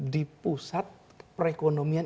di pusat perekonomian